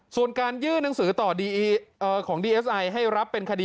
ส่วนการยื่นหนังสือต่อของดีเอสไอให้รับเป็นคดี